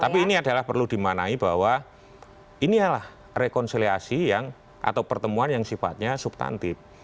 tapi ini adalah perlu dimanai bahwa inilah rekonsiliasi yang atau pertemuan yang sifatnya subtantif